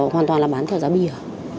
hoàn toàn là bán theo giá bìa